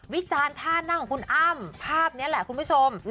จารณ์ท่านั่งของคุณอ้ำภาพนี้แหละคุณผู้ชม